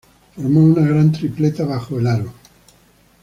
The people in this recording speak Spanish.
Formó una gran tripleta bajo el aro.